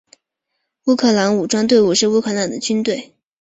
乌克兰武装部队是乌克兰的军队。